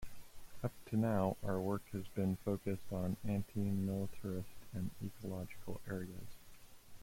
Up to now, our work has been focussed on anti-militarist and ecological areas.